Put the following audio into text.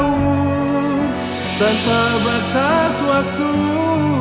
hope tembaga title